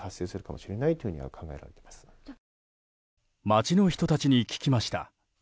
街の人たちに聞きました。